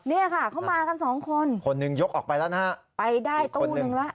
เนี่ยค่ะเขามากันสองคนคนหนึ่งยกออกไปแล้วนะฮะไปได้ตู้นึงแล้ว